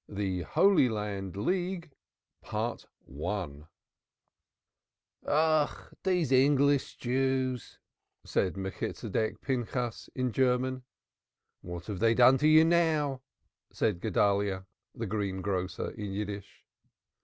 THE HOLY LAND LEAGUE. "Oh, these English Jews!" said Melchitsedek Pinchas, in German. "What have they done to you now?" said Guedalyah, the greengrocer, in Yiddish.